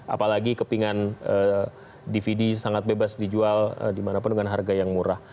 apalagi kepingan dvd sangat bebas dijual dimanapun dengan harga yang murah